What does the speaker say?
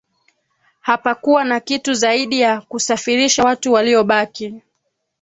hapakuwa na kitu zaidi ya kusafirisha watu waliobaki